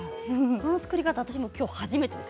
この作り方私も初めてです。